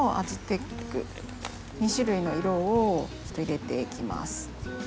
２種類の色を入れていきます。